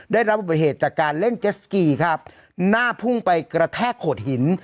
ได้รับอุบัติเหตุจากการเล่นเจสกีครับหน้าพุ่งไปกระแทกโขดหิน